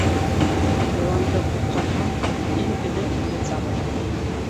Йыланды ҡотҡарһаң, иң элек һине сағыр.